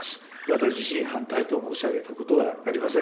私自身、反対と申し上げたことはありません。